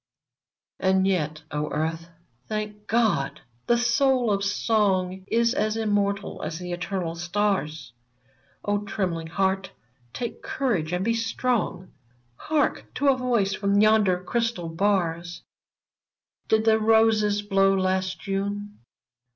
And yet — O Earth, thank God !— the soul of song Is as immortal as the eternal stars ! O trembling heart ! take courage and be strong. Hark ! to a voice from yonder crystal bars :" Did the roses blow last 'Ju7ie